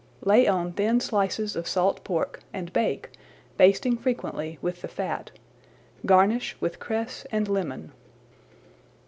Lay on thin slices of salt pork and bake, basting frequently with the fat. Garnish with cress and lemon.